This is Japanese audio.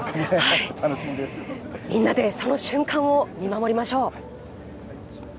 みんなでその瞬間を見守りましょう。